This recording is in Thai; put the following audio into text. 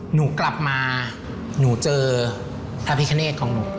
หนูกลับมาหนูเจอพระพิคเนธของหนู